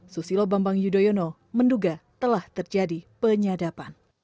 susilo bambang yudhoyono menduga telah terjadi penyadapan